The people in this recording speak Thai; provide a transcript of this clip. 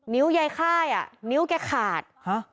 นิ้วยายค่ายอ่ะนิ้วแกขาดฮะ